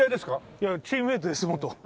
いやチームメートですよ元。